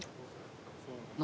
何？